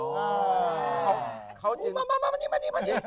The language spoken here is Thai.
มานี่